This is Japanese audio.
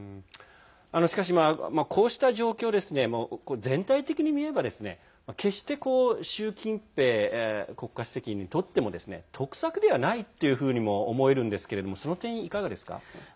しかし、こうした状況全体的に見れば決して習近平国家主席にとっても得策ではないというふうにも思えるんですけどその点、いかがですか？